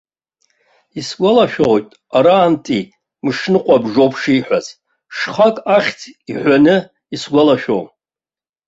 Исгәалашәоит арантәи мышныҟәа бжьоуп шиҳәаз, шьхак ахьӡ иҳәаны исгәалашәом.